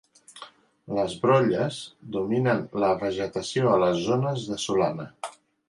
Les brolles dominen la vegetació a les zones de solana.